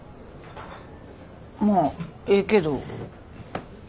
まあええけど。